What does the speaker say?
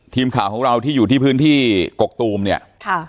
ทีมข่าวของเราที่อยู่ที่พื้นที่กกตูมเนี่ยค่ะ